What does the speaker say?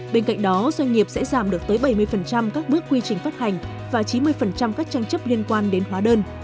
bên cạnh đó doanh nghiệp sẽ giảm được tới bảy mươi các bước quy trình phát hành và chín mươi các tranh chấp liên quan đến hóa đơn